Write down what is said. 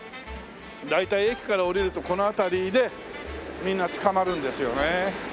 大体駅から降りるとこの辺りでみんなつかまるんですよね。